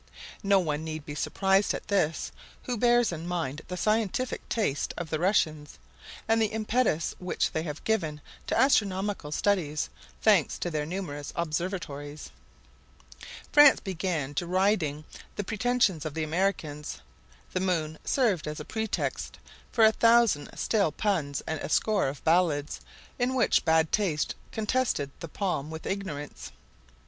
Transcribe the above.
No one need be surprised at this, who bears in mind the scientific taste of the Russians, and the impetus which they have given to astronomical studies—thanks to their numerous observatories. France began by deriding the pretensions of the Americans. The moon served as a pretext for a thousand stale puns and a score of ballads, in which bad taste contested the palm with ignorance.